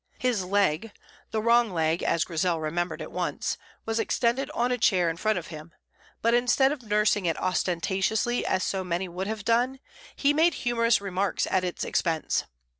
His leg (the wrong leg, as Grizel remembered at once) was extended on a chair in front of him; but instead of nursing it ostentatiously as so many would have done, he made humourous remarks at its expense.